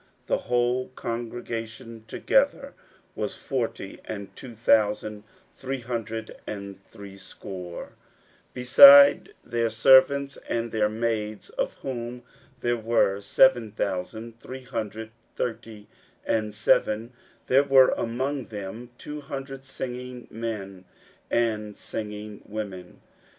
16:007:066 The whole congregation together was forty and two thousand three hundred and threescore, 16:007:067 Beside their manservants and their maidservants, of whom there were seven thousand three hundred thirty and seven: and they had two hundred forty and five singing men and singing women.